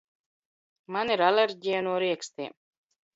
Man ir aler?ija no riekstiem.